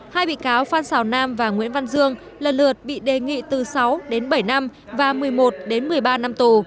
hai bị cáo phan xào nam và nguyễn văn dương lần lượt bị đề nghị từ sáu đến bảy năm và một mươi một đến một mươi ba năm tù